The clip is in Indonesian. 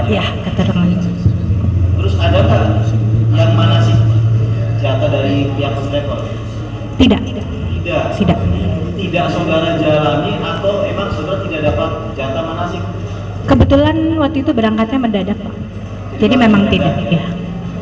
ini tidaknya tiga tiga tiga sobrang jalannya atau emang sudah tidak dapat wandering kebetulan waktu itu bilang khasnya mendadak jadi memang tidak sama terus satu strike